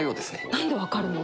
なんで分かるの？